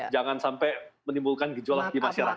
jangan sampai menimbulkan gejolak di masyarakat